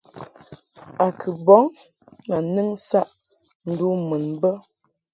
A kɨ bɔŋ ma nɨŋ saʼ ndu mun bə.